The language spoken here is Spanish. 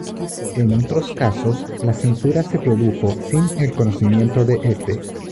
En otros casos, la censura se produjo sin el conocimiento de este.